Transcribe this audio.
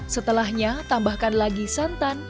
setelahnya tambahkan lagi santan